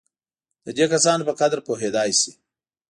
د دې کسانو په قدر پوهېدای شي.